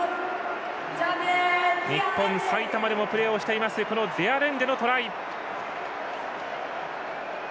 日本・埼玉でもプレーしているデアレンデのトライ。